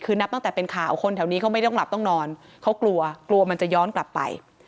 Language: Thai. คือนับตั้งแต่เป็นข่าวคนแถวนี้เขาไม่ต้องหลับต้องนอนเขากลัวกลัวมันจะย้อนกลับไป